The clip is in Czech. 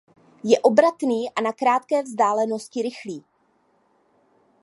Je obratný a na krátké vzdálenosti rychlý.